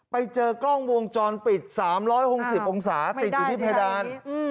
ไปเจอกล้องวงจรปิด๓๖๐องศาติดอยู่ที่เพดาน